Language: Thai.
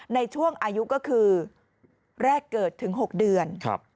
ในช่วงอายุก็คือแรกเกิดถึง๖เดือน